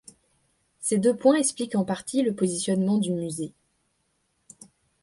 Ces deux points expliquent en partie le positionnement du musée.